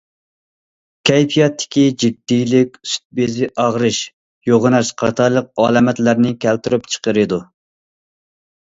كەيپىياتتىكى جىددىيلىك سۈت بېزى ئاغرىش، يوغىناش قاتارلىق ئالامەتلەرنى كەلتۈرۈپ چىقىرىدۇ.